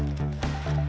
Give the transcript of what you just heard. saya mau ganti baju dulu